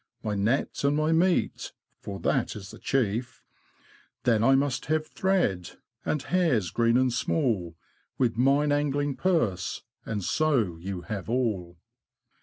My net, and my meat (for that is the chief) : Then I must have thread, and hairs green and small. With mine angling purse — and so you have all.